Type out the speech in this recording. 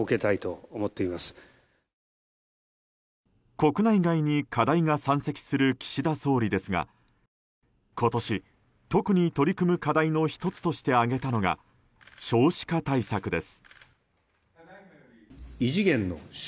国内外に課題が山積する岸田総理ですが今年特に取り組む課題の１つとして挙げたのが少子化対策です。